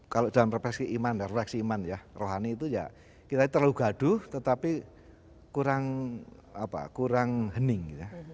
kalau dalam refleksi iman refleksi iman ya rohani itu ya kita ini terlalu gaduh tetapi kurang apa kurang hening